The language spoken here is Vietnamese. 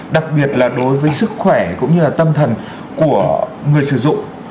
đặc biệt là đối với sức khỏe cũng như là tâm thần của người sử dụng